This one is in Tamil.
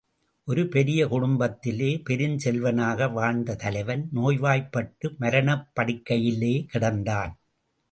ஒரு பெரிய குடும்பத்திலே பெருஞ் செல்வனாக வாழ்ந்த தலைவன், நோய்வாய்ப்பட்டு மரணப் படுக்கையிலே கிடந்தான்.